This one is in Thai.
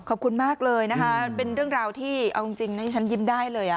ขอบคุณมากเลยนะคะเป็นเรื่องราวที่เอาจริงนะที่ฉันยิ้มได้เลย